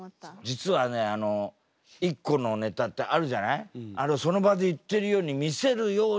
実はね一個のネタってあるじゃない？